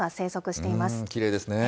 きれいですね。